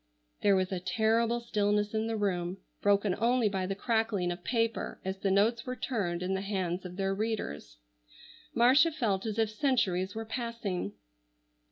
There was a terrible stillness in the room, broken only by the crackling of paper as the notes were turned in the hands of their readers. Marcia felt as if centuries were passing.